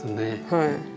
はい。